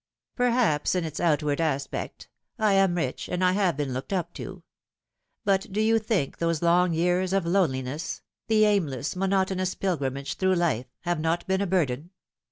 " Perhaps, in its outward aspect. I am rich, and I have been looked up to. But do you think those long years of loneliness the aimless, monotonous pilgrimage through life have not been a burden